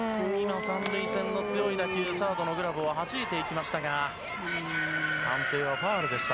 ３塁線の強い打球、サードのグラブをはじいていきましたが、判定はファウルでした。